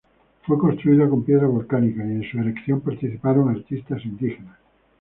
Fue construida con piedra volcánica y en su erección participaron artistas indígenas.